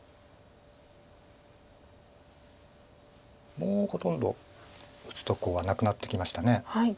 もうほとんど打つとこはなくなってきました。